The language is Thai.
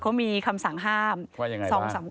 เขามีคำสั่งห้ามว่าอย่างไรหมา